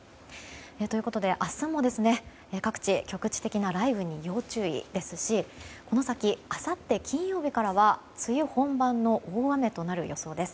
ということで明日も各地局地的な雷雨に要注意ですしこの先、あさって金曜日からは梅雨本番の大雨となる予想です。